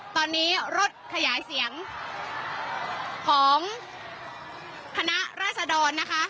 ตอนนี้รถขยายเสียงของคณะราษดรนะคะ